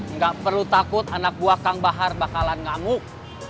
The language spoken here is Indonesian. nggak perlu takut anak buah kang bahar bakalan ngamuk